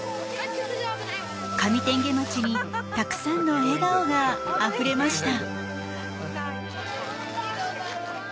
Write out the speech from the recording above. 上天花町にたくさんの笑顔があふれました。